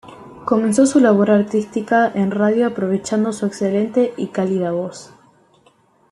Comenzó su labor artística en radio aprovechando su excelente y cálida voz.